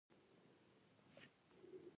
د پیرودونکي باور د تل پاتې اړیکې اساس دی.